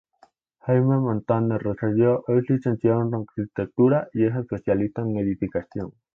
Jaime Montaner Roselló es licenciado en Arquitectura y es especialista en edificación.